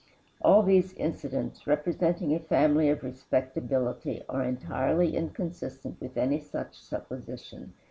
All these incidents, representing a family of respectability, are entirely inconsistent with any such supposition.